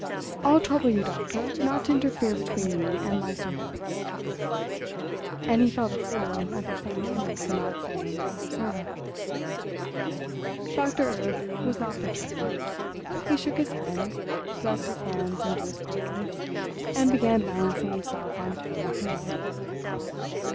"I'll trouble you, Doctor, not to interfere between me and my servants!" And he felt a fool at the same moment for not saying "servant." Doctor Erb was not perturbed. He shook his head, thrust his hands into his pockets, and began balancing himself on toe and heel.